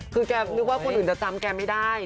คือแกนึกว่าคนอื่นจะจำแกไม่ได้